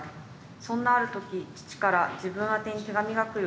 そんなある時父から自分宛てに手紙が来る。